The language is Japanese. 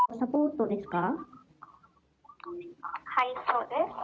はい、そうです。